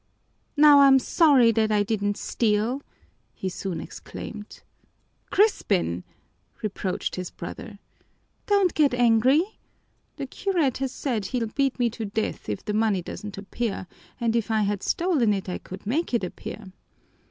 "Now I'm sorry that I didn't steal!" he soon exclaimed. "Crispin!" reproached his brother. "Don't get angry! The curate has said that he'll beat me to death if the money doesn't appear, and if I had stolen it I could make it appear.